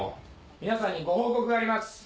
皆さんにご報告があります。